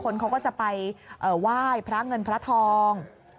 คนเขาก็จะไปไหว้พระเงินพระทอง